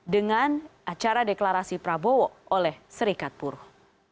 dengan acara deklarasi prabowo oleh serikat buruh